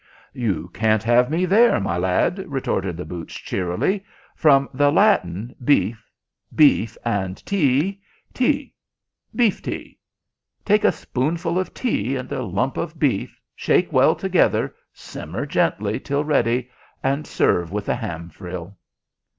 "You can't have me there, my lad," retorted boots cheerily. "From the Latin beef, beef and tea, tea beef tea. Take a spoonful of tea and a lump of beef, shake well together, simmer gently till ready, and serve with a ham frill."